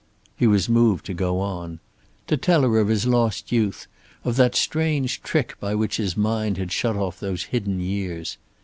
He was moved to go on. To tell her of his lost youth, of that strange trick by which his mind had shut off those hidden years.